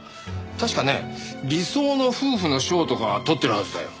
確かね理想の夫婦の賞とか取ってるはずだよ。